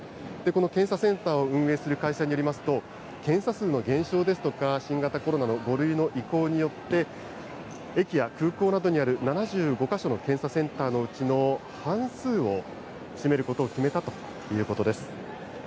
この検査センターを運営する会社によりますと、検査数の減少ですとか、新型コロナの５類の移行によって、駅や空港などにある７５か所の検査センターのうちの半数を閉めることを決めたということです。